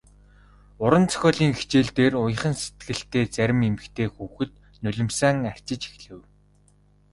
Уран зохиолын хичээл дээр уяхан сэтгэлтэй зарим эмэгтэй хүүхэд нулимсаа арчиж эхлэв.